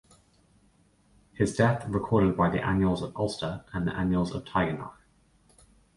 His death is recorded by the "Annals of Ulster" and the "Annals of Tigernach".